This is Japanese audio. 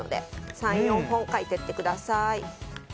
３４本描いていってください。